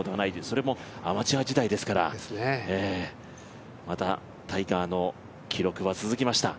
それもアマチュア時代ですから、まだタイガーの記録は続きました。